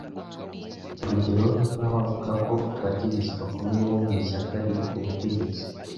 Urugero ni nkaho avuga ko abategetsi bakomeye bo mu ishyaka riri ku butegetsi